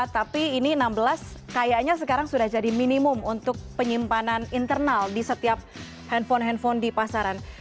tapi ini enam belas kayaknya sekarang sudah jadi minimum untuk penyimpanan internal di setiap handphone handphone di pasaran